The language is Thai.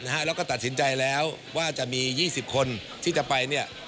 แล้วก็ตัดสินใจแล้วว่าจะมี๒๐คนที่จะไปเนี่ย